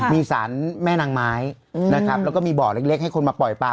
มีสารแม่นางไม้นะครับแล้วก็มีบ่อเล็กให้คนมาปล่อยปลา